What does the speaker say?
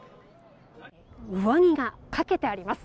上着がかけてあります。